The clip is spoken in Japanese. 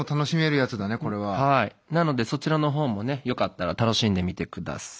なのでそちらの方もねよかったら楽しんで見てください。